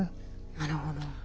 なるほど。